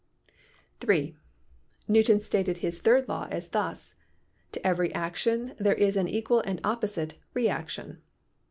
(3) Newton stated his third law thus: To every action there is an equal and opposite reaction.